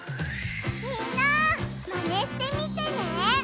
みんなマネしてみてね！